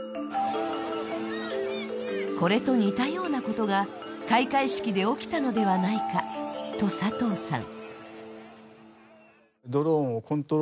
これと似たようなことが開会式で起きたのではないかと佐藤さん。